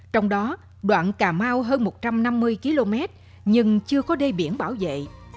trong đó đoạn cà mau hơn một trăm năm mươi km nhưng chưa có đê biển bảo vệ